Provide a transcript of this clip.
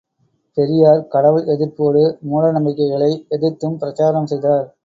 பெரியார் கடவுள் எதிர்ப்போடு, மூடநம்பிக்கைகளை எதிர்த்தும் பிரச்சாரம் செய்தார்.